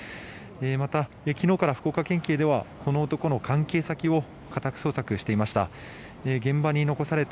また、昨日から福岡県警ではこの男の関係先を家宅捜索していました。